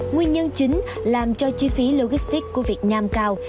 nguyên nhân chính làm cho chi phí logistics của việt nam cao